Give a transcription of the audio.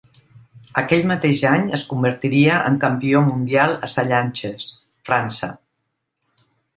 Aquell mateix any es convertiria en campió mundial a Sallanches, França.